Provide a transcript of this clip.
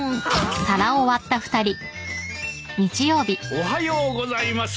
おはようございます。